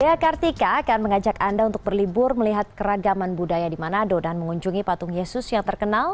dea kartika akan mengajak anda untuk berlibur melihat keragaman budaya di manado dan mengunjungi patung yesus yang terkenal